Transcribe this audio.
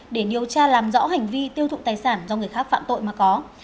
để điều tra làm rõ hành vi tiêu thụ tài sản do người khác phạm tội mà có